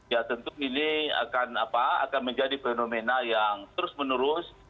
ya tentu ini akan menjadi fenomena yang terus menerus